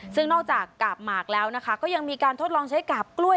ซึ่งนอกจากกาบหมากแล้วนะคะก็ยังมีการทดลองใช้กาบกล้วย